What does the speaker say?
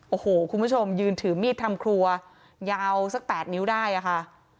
โอ้โหคุณผู้ชมยืนถือมีดทำครัวยาวสัก๘นิ้วได้อะค่ะ